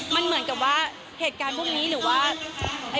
มันเหมือนกับว่าเหตุการณ์พวกนี้หรือว่า